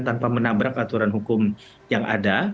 tanpa menabrak aturan hukum yang ada